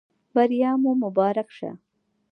بریا مو مبارک شه